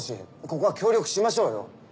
ここは協力しましょうよ。